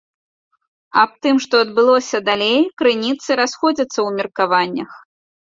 Аб тым, што адбылося далей крыніцы расходзяцца ў меркаваннях.